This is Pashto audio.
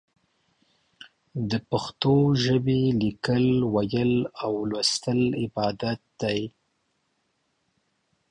د پښتو ژبې ليکل، ويل او ولوستل عبادت دی.